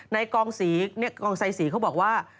ในกองไซศีเขาบอกว่า